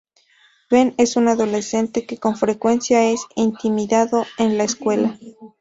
Ben es un adolescente que con frecuencia es intimidado en la escuela.